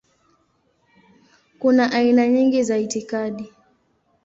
Kuna aina nyingi za itikadi.